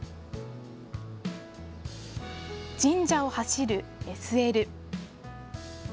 神社を走るＳＬ。